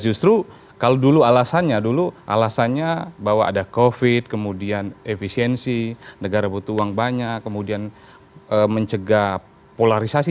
justru kalau dulu alasannya dulu alasannya bahwa ada covid kemudian efisiensi negara butuh uang banyak kemudian mencegah polarisasi